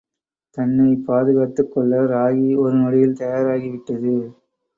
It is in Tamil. தன்னைப் பாதுகாத்துக் கொள்ள ராகி ஒரு நொடியில் தயாராகிவிட்டது.